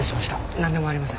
なんでもありません。